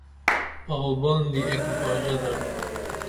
پاو باندی ایک باژہ درو